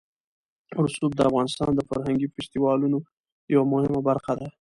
رسوب د افغانستان د فرهنګي فستیوالونو یوه مهمه برخه ده.